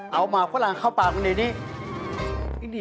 เอาหมาพระรางเข้าปากกันแดงนี้